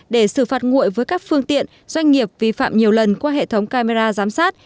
để xử phạt nguội với các phương tiện doanh nghiệp vi phạm nhiều lần qua hệ thống camera giám sát